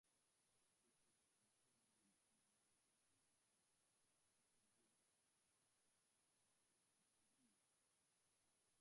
Titi wa nchini Uganda mwaka huo huo wa elfu mbili na tano Jaydee alipata